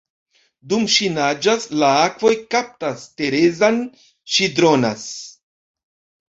Dum ŝi naĝas, la akvoj kaptas Terezan, ŝi dronas.